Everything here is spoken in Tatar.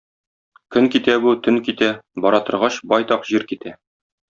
Көн китә бу, төн китә, бара торгач, байтак җир китә.